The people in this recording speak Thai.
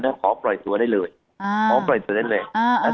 ส่วนน่ะขอปล่อยตัวได้เลยอ่าขอปล่อยตัวได้เลยอ่าอ่า